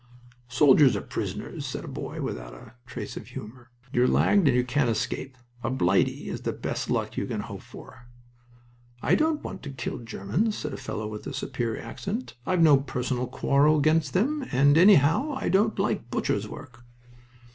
"Soldiers are prisoners," said a boy without any trace of humor. "You're lagged, and you can't escape. A 'blighty' is the best luck you can hope for." "I don't want to kill Germans," said a fellow with a superior accent. "I've no personal quarrel against them; and, anyhow, I don't like butcher's work."